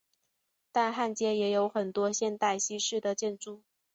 但汉街也有很多现代西式的建筑。